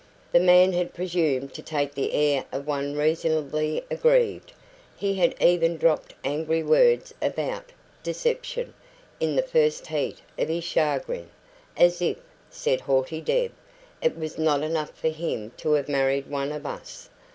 The man had presumed to take the air of one reasonably aggrieved; he had even dropped angry words about "deception" in the first heat of his chagrin. "As if," said haughty Deb, "it was not enough for him to have married one of us!"